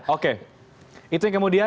oke itu yang kemudian